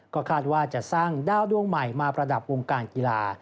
ก็คาดว่าจะสร้างดาวดวงใหม่มาประดับวงการกีฬา